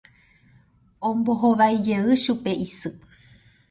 Ombohovaijey chupe isy.